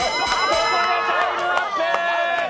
ここでタイムアップ。